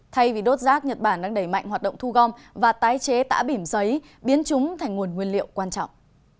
thay vì đốt rác nhật bản đang đẩy mạnh hoạt động thu gom và tái chế tả bìm giấy biến chúng thành nguồn nguyên liệu quan trọng